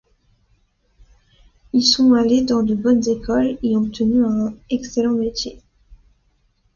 Ils sont allés dans de bonnes écoles et ont obtenu un excellent métier.